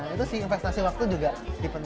itu sih investasi waktu juga lebih penting